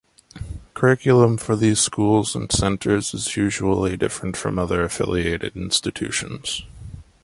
Curriculum for these schools and centers is usually different from other affiliated institutions.